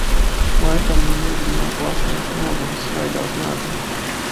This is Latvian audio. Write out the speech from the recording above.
Laikam mani uzrunā plašums un ūdens svaigā smarža.